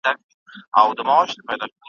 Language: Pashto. چي ژوندى يم همېشه به مي دا كار وي ,